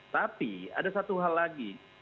tapi ada satu hal lagi